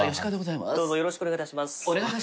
どうぞよろしくお願い致します。